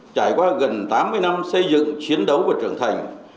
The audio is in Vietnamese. trải qua gần tám mươi năm xây dựng chiến đấu và trưởng thành